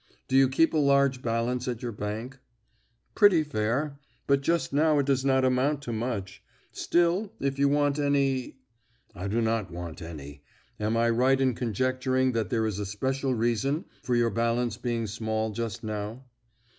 "Do you keep a large balance at your bank?" "Pretty fair; but just now it does not amount to much. Still, if you want any " "I do not want any. Am I right in conjecturing that there is a special reason for your balance being small just now?"